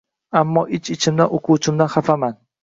Ammo ich-ichimdan o‘quvchimdan xafaman.